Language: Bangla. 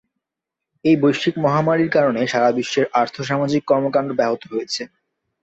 এই বৈশ্বিক মহামারীর কারণে সারা বিশ্বের আর্থ-সামাজিক কর্মকাণ্ড ব্যাহত হয়েছে।